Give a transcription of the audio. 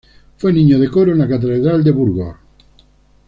Fue niño de coro en la catedral de Burgos.